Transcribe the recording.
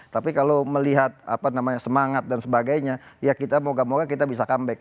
tapi kalau melihat semangat dan sebagainya ya kita moga moga kita bisa comeback